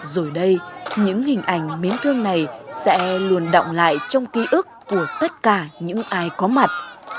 rồi đây những hình ảnh miếng thương này sẽ luôn động lại trong ký ức của tất cả những ai có mặt